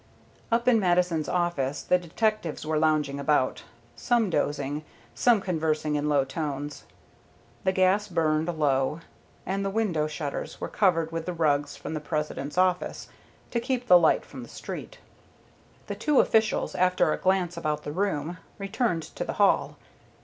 Up in Mattison's office the detectives were lounging about, some dozing, some conversing in low tones. The gas burned low, and the window shutters were covered with the rugs from the President's office, to keep the light from the street. The two officials, after a glance about the room, returned to the hall.